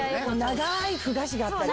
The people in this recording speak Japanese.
長いふ菓子があったり。